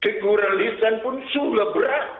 teguran lisan pun sudah berat